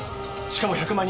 しかも１００万